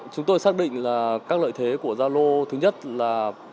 chúng tôi xác định là các lợi thế của zalo thứ nhất là